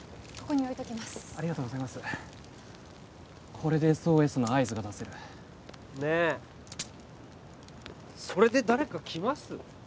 これでＳＯＳの合図が出せるねえそれで誰か来ます？